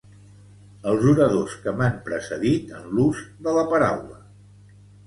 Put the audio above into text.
Els oradors que m'han precedit en l'ús de la paraula.